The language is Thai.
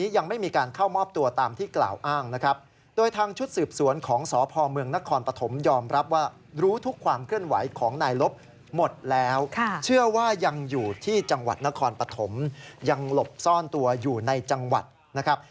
อยู่ที่จังหวัดนครปฐมยังหลบซ่อนตัวอยู่ในจังหวัดนะครับ